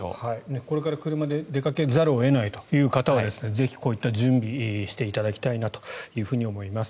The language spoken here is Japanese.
これから車で出かけざるを得ないという方はぜひ、こういった準備をしていただきたいなと思います。